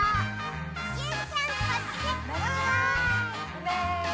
うめ？